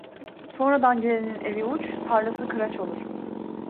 Sonradan gelenin evi uç, tarlası kıraç olur.